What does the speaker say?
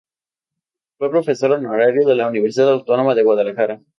Fue profesor honorario de la Universidad Autónoma de Guadalajara.